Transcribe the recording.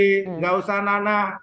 tidak usah nana